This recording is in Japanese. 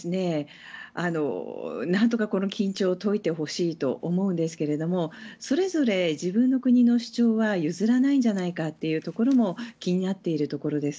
何とかこの緊張を解いてほしいと思うんですけれどもそれぞれ、自分の国の主張は譲らないじゃないかというところも気になっています。